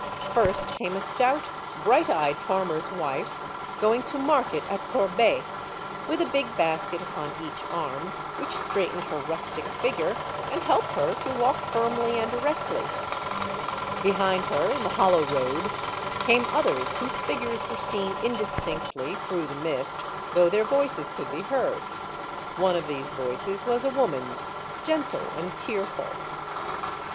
First came a stout, bright eyed farmer's wife, going to market at Corbeil, with a big basket upon each arm, which straightened her rustic figure, and helped her to walk firmly and erectly. Behind her, in the hollow road, came others whose figures were seen indistinctly through the mist, though their voices could be heard. One of these voices was a woman's, gentle and tearful.